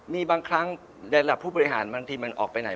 มีบางครั้งหลายผู้บริหารมันทีมันออกไปไหน